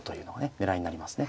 狙いになりますね。